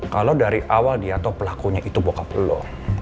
kalau dari awal dia tahu pelakunya itu bokap lo